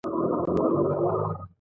مهرباني ګټوره ده.